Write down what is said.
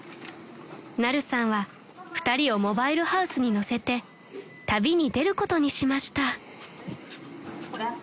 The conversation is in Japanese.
［ナルさんは２人をモバイルハウスに乗せて旅に出ることにしました］